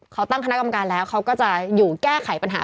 เขาตั้งคณะกรรมการแล้วเขาก็จะอยู่แก้ไขปัญหา